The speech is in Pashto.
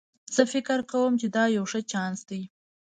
زه فکر کوم چې دا یو ښه چانس ده